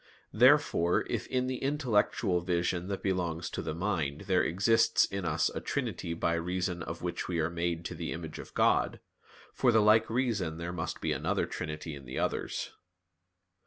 Therefore, if in the intellectual vision that belongs to the mind there exists in us a trinity by reason of which we are made to the image of God, for the like reason there must be another trinity in the others.